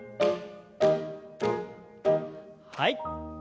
はい。